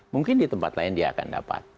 mungkin di tempat lain dia akan dapat